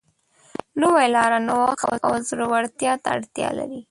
نوې لاره نوښت او زړهورتیا ته اړتیا لري.